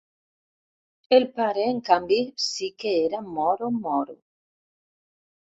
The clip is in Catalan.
El pare, en canvi, sí que era moro moro.